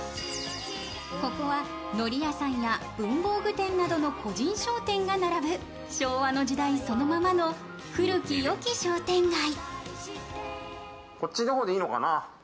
ここはのり屋さんや、文房具店などの個人商店が並ぶ昭和の時代そのままの古き良き商店街。